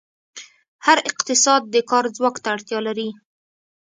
هر اقتصاد د کار ځواک ته اړتیا لري.